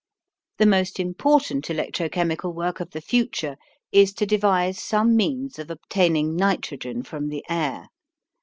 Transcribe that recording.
The most important electro chemical work of the future is to devise some means of obtaining nitrogen from the air.